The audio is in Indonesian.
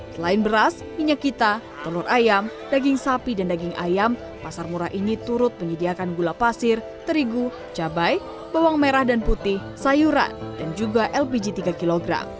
selain beras minyak kita telur ayam daging sapi dan daging ayam pasar murah ini turut menyediakan gula pasir terigu cabai bawang merah dan putih sayuran dan juga lpg tiga kg